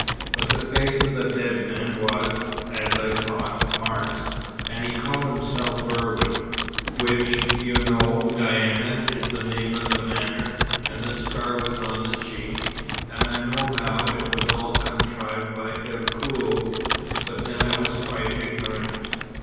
But the face of the dead man was as I thought Mark's, and he called himself Berwin, which, you know, Diana, is the name of the Manor, and the scar was on the cheek. I know now it was all contrived by Ercole; but then I was quite ignorant."